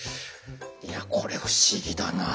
いやこれ不思議だなあ。